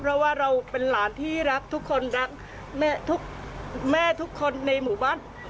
เพราะว่าเราเป็นหลานที่รักทุกคนรักแม่ทุกแม่ทุกคนในหมู่บ้าน